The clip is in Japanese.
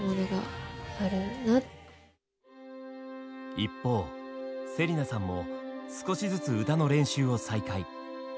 一方芹奈さんも少しずつ歌の練習を再開。